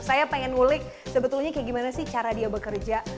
saya pengen ngulik sebetulnya kayak gimana sih cara dia bekerja